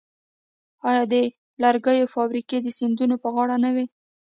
آیا د لرګیو فابریکې د سیندونو په غاړه نه وې؟